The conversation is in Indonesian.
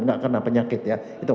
gak kena penyakit ya